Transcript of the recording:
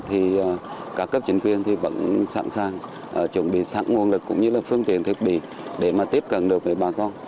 thì các cấp chính quyền vẫn sẵn sàng chuẩn bị sẵn nguồn lực cũng như phương tiện thiết bị để tiếp cận được bà con